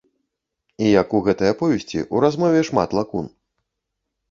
І як у гэтай аповесці, у размове шмат лакун.